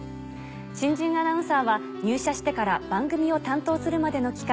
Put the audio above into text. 新人アナウンサーは入社してから番組を担当するまでの期間